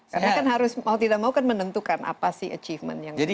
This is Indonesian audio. karena kan harus mau tidak mau kan menentukan apa sih achievement yang terjadi